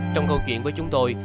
trong câu chuyện với chúng tôi